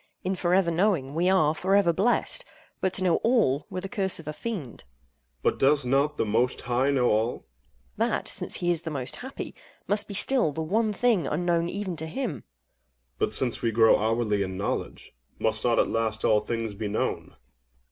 In for ever knowing, we are for ever blessed; but to know all were the curse of a fiend. OINOS. But does not The Most High know all? AGATHOS. That (since he is The Most Happy) must be still the one thing unknown even to Him. OINOS. But, since we grow hourly in knowledge, must not at last all things be known?